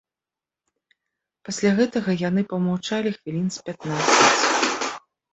Пасля гэтага яны памаўчалі хвілін з пятнаццаць.